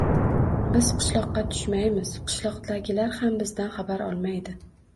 Biz qishloqqa tushmaymiz, qishloqdagilar ham bizdan xabar olmaydi.